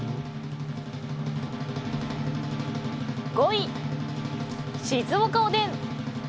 ５位、静岡おでん。